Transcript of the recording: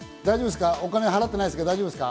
お金払ってないですか？